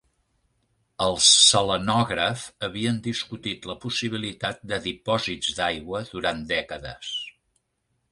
Els selenògraf havien discutit la possibilitat de dipòsits d'aigua durant dècades.